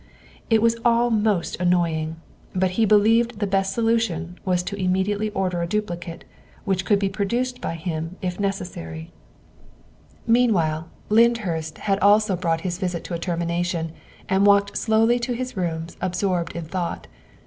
It was all most annoying, but he believed the best solution was to immediately order a duplicate, which could be produced by him if neces sary. 244 THE WIFE OF Meanwhile, Lyndhurst had also brought his visit to a termination and walked slowly to his rooms absorbed in thought.